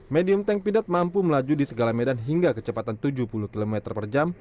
medium tank pidat mampu melaju di segala medan hingga kecepatan tujuh puluh km per jam